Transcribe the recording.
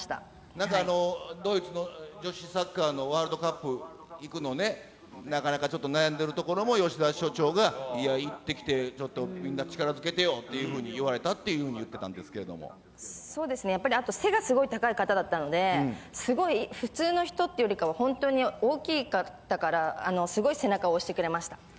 なんかドイツの女子サッカーのワールドカップ行くのね、なかなかちょっと悩んでいるところも、吉田所長が、いや、行ってきて、ちょっとみんな力づけてよっていうふうに言われたっていうふうにそうですね、やっぱり、あと背がすごい高い方だったので、すごい普通の人っていうよりかは、本当に大きかったから、すごい背中を押してくれました。